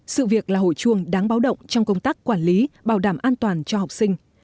sự việc là hội chuông đáng báo động trong công tác quản lý bảo đảm an toàn cho học sinh